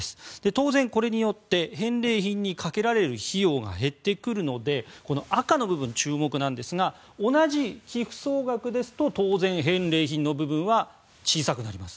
当然、これによって返礼品にかけられる費用が減ってくるのでこの赤の部分、注目なんですが同じ寄付総額ですと当然、返礼品の部分は小さくなります。